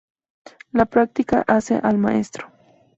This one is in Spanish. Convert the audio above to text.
La práctica hace al maestro